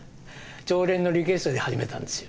常連のリクエストで始めたんですよ。